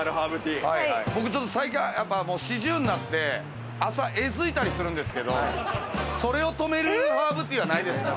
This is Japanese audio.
僕、ちょっと最近４０になって、朝、えずいたりするんですけど、それを止めるハーブティーはないですか？